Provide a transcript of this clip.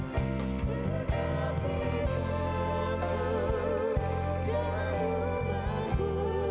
tetapi kamu dan rumahku